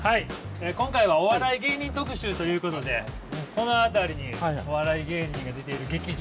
今回はお笑い芸人特集ということでこの辺りにお笑い芸人が出ている劇場がある。